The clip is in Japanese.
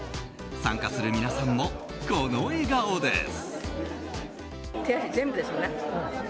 参加する皆さんもこの笑顔です。